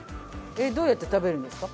どうやって食べるんですか？